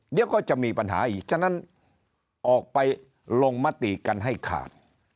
เดี๋ยวก็จะมีปัญหาอีกฉะนั้นออกไปลงมติกันให้ขาด